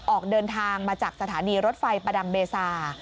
ออกเดินทางมาจากสถานีรถไฟประดังเบซา